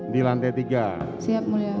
di lantai tiga